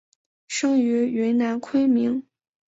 生于云南昆明。